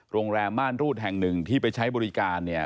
โรงแรมม่านรูดแห่งหนึ่งที่ไปใช้บริการเนี่ย